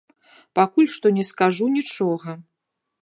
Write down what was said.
Пакуль што не скажу нічога.